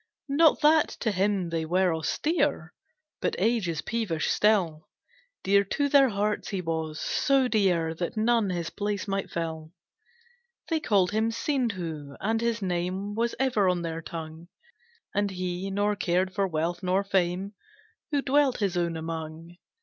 Not that to him they were austere, But age is peevish still, Dear to their hearts he was, so dear, That none his place might fill. They called him Sindhu, and his name Was ever on their tongue, And he, nor cared for wealth nor fame, Who dwelt his own among.